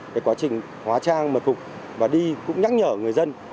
cái quá trình hóa trang mật phục và đi cũng nhắc nhở người dân